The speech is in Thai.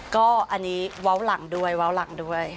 ก็อันนี้เว้าหลังด้วยว้าวหลังด้วย